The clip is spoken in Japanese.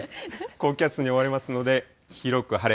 高気圧に覆われますので、広く晴れ。